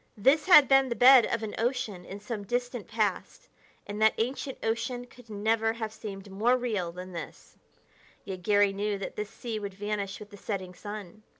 This had been the bed of an ocean in some distant past, and that ancient ocean could never have seemed more real than this; yet Garry knew that this sea would vanish with the setting sun.